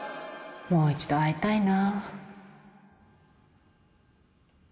もう一度会いたいな